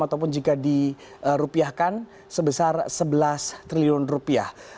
ataupun jika dirupiahkan sebesar sebelas triliun rupiah